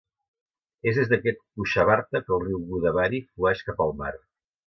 És des d'aquest Kushavarta que el riu Godavari flueix cap al mar.